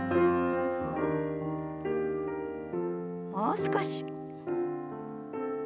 もう少し。